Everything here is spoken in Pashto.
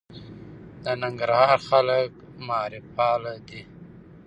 د ننګرهار خلک معارف پاله دي.